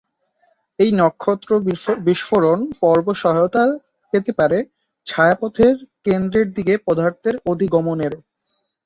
এই নক্ষত্র বিস্ফোরণ পর্ব সহায়তা পেতে পারে ছায়াপথের কেন্দ্রের দিকে পদার্থের অধিগমনেরও।